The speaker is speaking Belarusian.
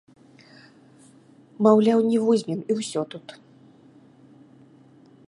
Маўляў, не возьмем, і ўсё тут.